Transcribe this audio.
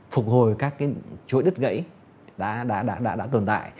phục hồi các chuỗi đứt gãy đã tồn tại